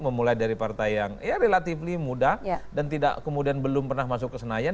memulai dari partai yang ya relatively muda dan tidak kemudian belum pernah masuk ke senayan